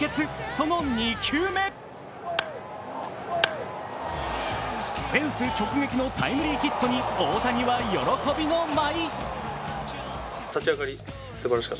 その２球目フェンス直撃のタイムリーヒットに大谷は喜びの舞。